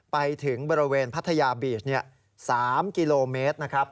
ไปถึงบริเวณพัทยาบีช๓กิโลเมตรนะครับ